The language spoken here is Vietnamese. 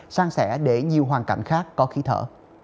sang sẻ để nhiều hoàn cảnh khác có khí thở